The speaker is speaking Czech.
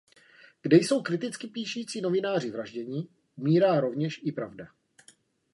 Kde jsou kriticky píšící novináři vražděni, umírá rovněž i pravda.